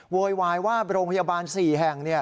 โวยวายว่าโรงพยาบาล๔แห่ง